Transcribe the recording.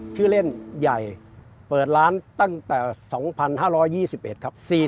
ชื่อเล่นใหญ่เปิดร้านตั้งแต่๒๕๒๑ครับ